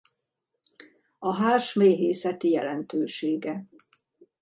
A hárs méhészeti jelentősége